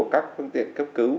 các phương tiện cấp cứu